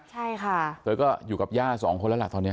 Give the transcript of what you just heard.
ใช่ค่ะเธอก็อยู่กับย่าสองคนแล้วล่ะตอนนี้